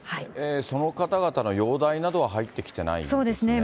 その方々の容体などは入ってきてないんですね。